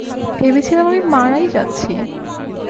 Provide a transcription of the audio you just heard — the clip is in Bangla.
ভেবেছিলাম আমি মারাই যাচ্ছি।